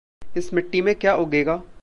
इस मिट्टी में क्या उगेगा?